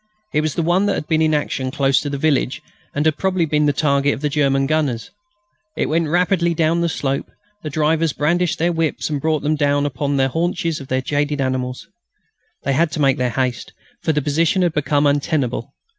It was the one that had been in action close to the village, and had probably been the target of the German gunners. It went rapidly down the slope. The drivers brandished their whips and brought them down upon the haunches of their jaded animals. They had to make haste, for the position had become untenable.